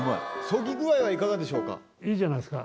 そぎ具合はいかがでしょうか？